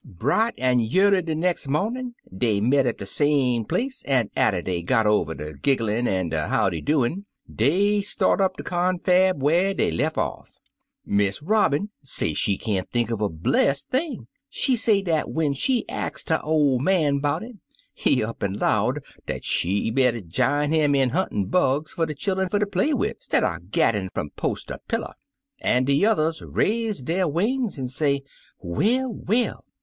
Bright an' 3r'early de nex' momin' dey met at de same place, an', atter dey got over der gigglin' an' der howdy doin', dey start up de confab whar dey lef off. Miss Robin say she can't think uv a blessed thing. She say dat when she ax'd her ol' nian 'bout it, he up an' 'low'd dat she better jine 'im in huntin' bugs fer de chillun fer ter play wid, 137 Uncle Remus Returns stidder gaddin' fum post ter pillar. An' de yuthers raise der wings, an' say, 'Well, well!'